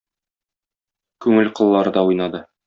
Күңел кыллары да уйнады.